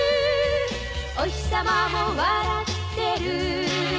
「おひさまも笑ってる」